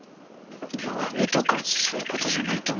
弱みとかそういう事じゃないと思うんですよ。